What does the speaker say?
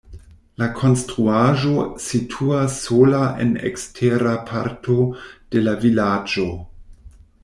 La konstruaĵo situas sola en ekstera parto de la vilaĝo.